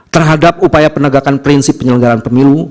terhadap upaya penegakan prinsip penyelenggaran pemilu